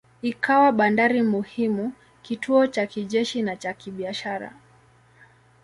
Ikawa bandari muhimu, kituo cha kijeshi na cha kibiashara.